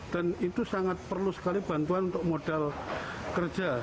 dan itu sangat perlu sekali bantuan untuk modal kerja